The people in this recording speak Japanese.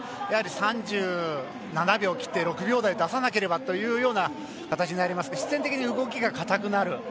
やはり３７秒切って、３６秒台出さなければというような形になりますと必然的に動きが硬くなる。